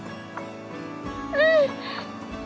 うん！